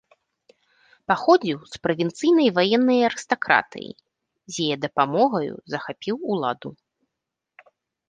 Паходзіў з правінцыйнай ваеннай арыстакратыі, з яе дапамогаю захапіў уладу.